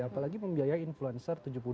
apalagi membiayai influencer tujuh puluh